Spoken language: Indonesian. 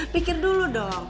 pikir dulu dong